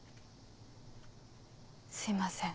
すいません。